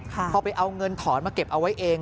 พอไปเอาเงินถอนมาเก็บเอาไว้เอง